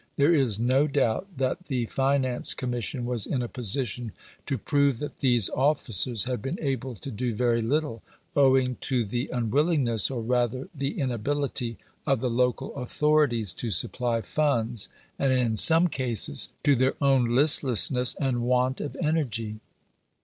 There is no doubt that the Finance Commission was in a position to prove that these officers had been able to do very little, owing to the unwillingness, or rather the inability of the local Authorities to supply funds, and in some cases to their own listlessness and want of energy.